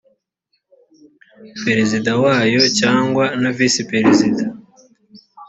perezida wayo cyangwa na visi perezida